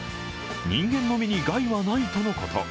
人間の目に害はないとのこと。